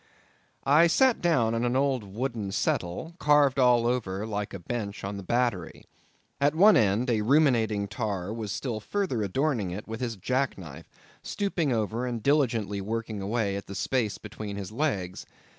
I sat down on an old wooden settle, carved all over like a bench on the Battery. At one end a ruminating tar was still further adorning it with his jack knife, stooping over and diligently working away at the space between his legs.